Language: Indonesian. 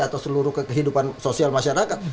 atau seluruh kehidupan sosial masyarakat